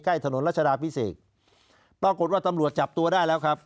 ถนนรัชดาพิเศษปรากฏว่าตำรวจจับตัวได้แล้วครับ